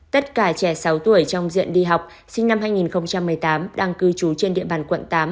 tất cả trẻ sáu tuổi trong diện đi học sinh năm hai nghìn một mươi tám đang cư trú trên địa bàn quận tám